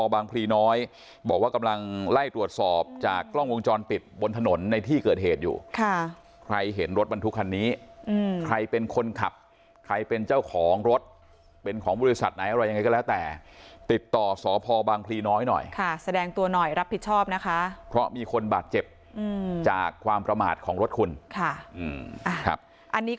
มันเช่นกันมันเช่นกันมันเช่นกันมันเช่นกันมันเช่นกันมันเช่นกันมันเช่นกันมันเช่นกันมันเช่นกันมันเช่นกันมันเช่นกันมันเช่นกันมันเช่นกันมันเช่นกันมันเช่นกันมันเช่นกันมันเช่นกันมันเช่นกันมันเช่นกันมันเช่นกันม